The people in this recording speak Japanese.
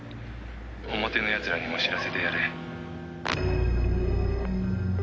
「表の奴らにも知らせてやれ」